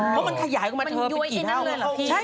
พออยาออกมาเธอเป็นกี่เท่านั้นนะพี่